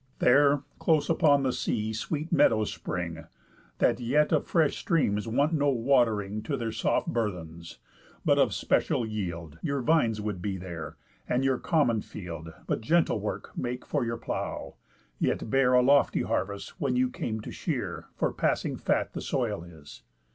There, close upon the sea, sweet meadows spring; That yet of fresh streams want no watering To their soft burthens, but of special yield. Your vines would be there; and your common field But gentle work make for your plow, yet bear A lofty harvest when you came to shear; For passing fat the soil is.